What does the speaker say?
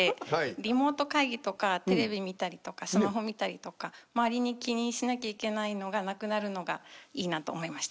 リモート会議とかテレビ見たりとかスマホ見たりとか周りに気にしなきゃいけないのがなくなるのがいいなと思いました。